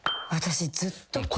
私ずっと。